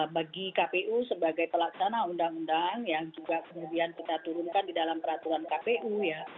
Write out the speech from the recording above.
bagi kpu sebagai pelaksana undang undang yang juga kemudian kita turunkan di dalam peraturan kpu ya